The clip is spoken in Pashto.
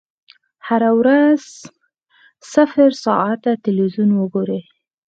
هره ورځ صفر ساعته ټلویزیون وګورئ.